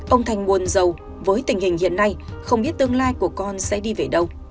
ông thành buồn giàu với tình hình hiện nay không biết tương lai của con sẽ đi về đâu